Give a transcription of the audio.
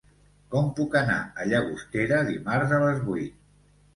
Com puc anar a Llagostera dimarts a les vuit?